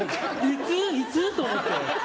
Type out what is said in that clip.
いつ？と思って。